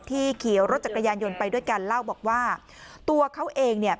ขี่รถจักรยานยนต์ไปด้วยกันเล่าบอกว่าตัวเขาเองเนี่ย